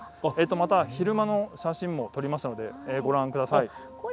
また昼間にも写真を撮りましたのでご覧ください。